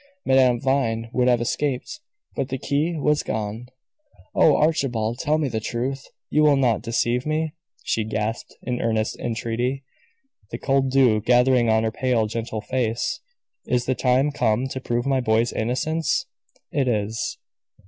Madame Vine would have escaped, but the key was gone. "Oh, Archibald, tell me the truth. You will not, deceive me?" she gasped, in earnest entreaty, the cold dew gathering on her pale, gentle face. "Is the time come to prove my boy's innocence?" "It is."